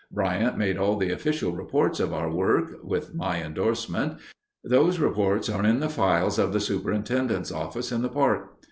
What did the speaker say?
Bryant made all the official reports of our work (with my endorsement). Those reports are in the files of the Superintendent's office in the park.